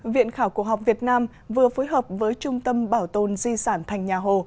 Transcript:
viện khảo cổ học việt nam vừa phối hợp với trung tâm bảo tồn di sản thành nhà hồ